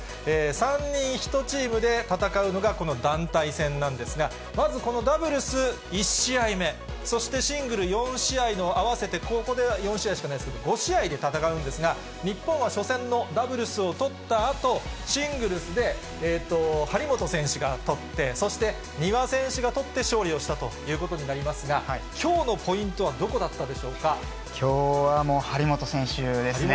３人１チームで戦うのが、この団体戦なんですが、まずこのダブルス１試合目、そしてシングル４試合の合わせてここでは４試合しかないですけど、５試合で戦うんですが、日本は初戦のダブルスを取ったあと、シングルスで張本選手が取って、そして丹羽選手が取って勝利をしたということになりますが、きょうのポイントはどこだったできょうはもう張本選手ですね。